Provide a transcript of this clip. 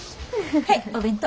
はいお弁当。